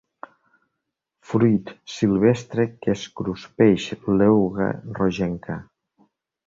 Fruit silvestre que es cruspeix l'euga rogenca.